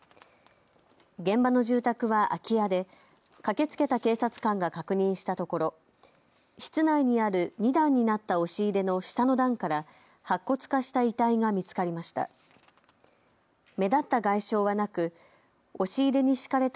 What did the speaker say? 現場の住宅は空き家で駆けつけた警察官が確認したところ室内にある２段になった押し入れの下の段から白骨化した遺体が見つかりました。